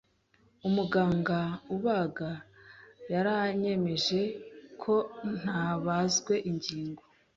Umuganga ubaga yaranyemeje ko nabazwe ingingo.